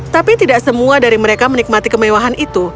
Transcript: tapi tidak semua dari mereka menikmati kemewahan itu